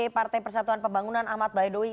partai persatuan pembangunan ahmad baidowi